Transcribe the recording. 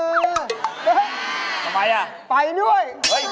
ทำไมอ่ะไปด้วย